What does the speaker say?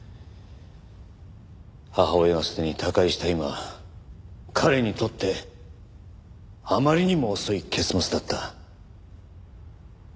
母親がすでに他界した今彼にとってあまりにも遅い結末だった。